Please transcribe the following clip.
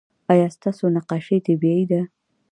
ایا ستاسو نقاشي طبیعي ده؟